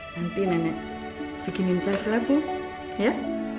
nanti nenek bikinin sahur labu ya